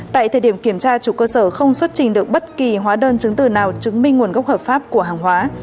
tại thời điểm kiểm tra chủ cơ sở không xuất trình được bất kỳ hóa đơn chứng từ nào chứng minh nguồn gốc hợp pháp của hàng hóa